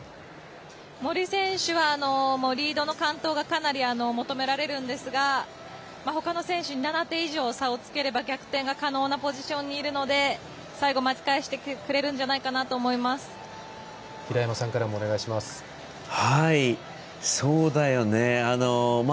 森選手は、リードの完登がかなり求められるんですが他の選手に７点以上差をつければ逆転が可能なポジションにいるので最後、巻き返してくれるんじゃそうだよね。